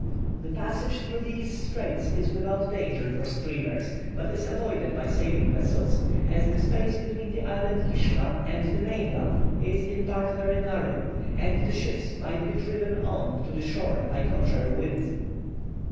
The passage through these straits is without danger for steamers, but is avoided by sailing vessels, as the space between the island Kishma and the mainland is in parts very narrow, and the ships might be driven on to the shore by contrary winds.